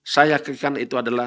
saya yakin itu adalah